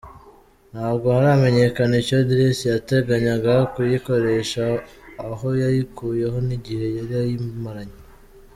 Ntabwo haramenyekana icyo Drici yateganyaga kuyikoresha aho yayikuyeho n’ igihe yari ayimaranye.